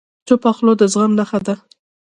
چپه خوله، د زغم نښه ده.